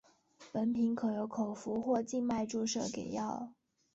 本品可由口服或静脉注射给药。